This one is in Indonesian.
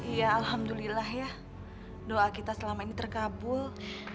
ya alhamdulillah ya doa kita selama ini terkabul